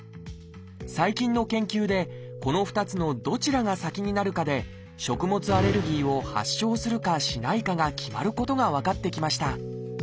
最近の研究でこの２つのどちらが先になるかで食物アレルギーを発症するかしないかが決まることが分かってきました。